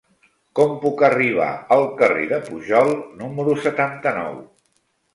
Com puc arribar al carrer de Pujol número setanta-nou?